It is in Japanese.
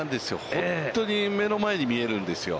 本当に目の前に見えるんですよ。